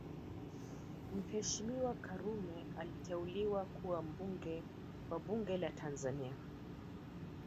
Mheshimiwa Karume aliteuliwa kuwa mbunge wa bunge la Tanzania